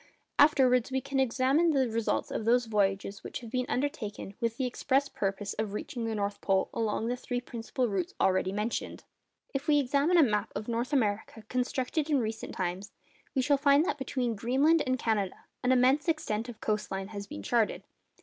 Afterwards we can examine the results of those voyages which have been undertaken with the express purpose of reaching the North Pole along the three principal routes already mentioned. If we examine a map of North America constructed in recent times, we shall find that between Greenland and Canada an immense extent of coast line has been charted.